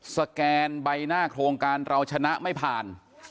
สแกนใบหน้าโครงการเราชนะไม่ผ่าน